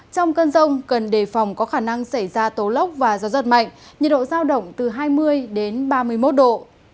trong cơn rông cần đề phòng có khả năng xảy ra tố lốc và gió giật mạnh nhiệt độ giao động từ hai mươi đến ba mươi một độ